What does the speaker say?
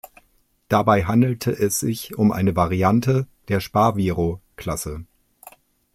Dabei handelte es sich um eine Variante der Sparviero-Klasse.